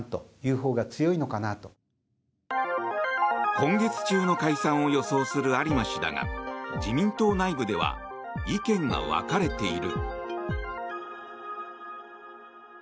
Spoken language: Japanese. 今月中の解散を予想する有馬氏だが自民党内部では意見が分かれている。